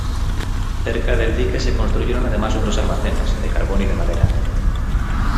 Cerca del dique se construyeron además otros almacenes, de carbón y de madera.